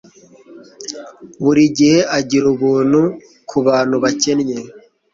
buri gihe agira ubuntu kubantu bakennye